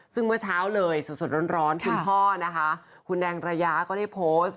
ซึ่งเมื่อเช้าเลยสดร้อนคุณพ่อนะคะคุณแดงระยะก็ได้โพสต์